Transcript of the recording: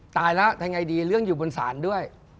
ตายแล้วทำไงดีเรื่องอยู่บนศาลด้วย